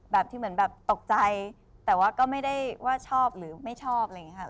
ที่เหมือนแบบตกใจแต่ว่าก็ไม่ได้ว่าชอบหรือไม่ชอบอะไรอย่างนี้ค่ะ